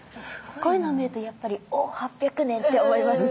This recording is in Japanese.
こういうのを見るとやっぱり「お８００年！」って思います。